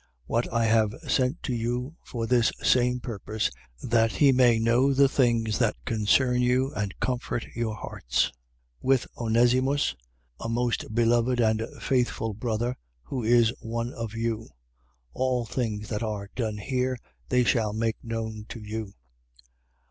4:8. What I have sent to you for this same purpose, that he may know the things that concern you and comfort your hearts: 4:9. With Onesimus, a most beloved and faithful brother, who is one of you. All things that are done here, they shall make known to you.